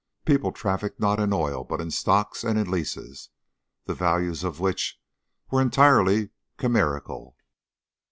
People trafficked not in oil, but in stocks and in leases, the values of which were entirely chimerical.